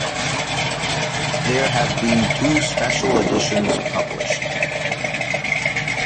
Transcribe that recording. There have been two special editions published.